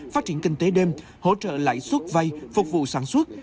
phát triển kinh tế đêm hỗ trợ lãi suất vay phục vụ sản xuất